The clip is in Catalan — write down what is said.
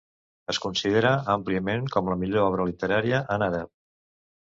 Es considera àmpliament com la millor obra literària en àrab.